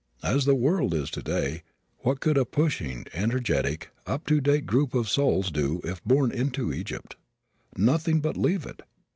As the world is today what could a pushing, energetic, up to date group of souls do if born into Egypt? Nothing but leave it.